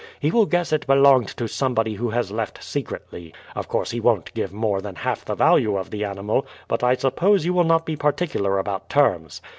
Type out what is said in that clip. He will guess it belonged to somebody who has left secretly. Of course he won't give more than half the value of the animal; but I suppose you will not be particular about terms.